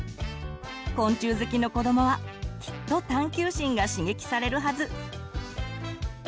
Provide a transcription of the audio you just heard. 昆虫好きの子どもはきっと探求心が刺激されるはず。